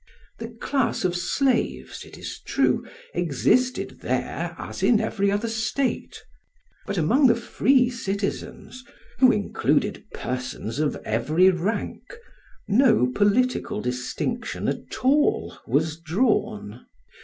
The class of slaves, it is true, existed there as in every other state; but among the free citizens, who included persons of every rank, no political distinction at all was drawn.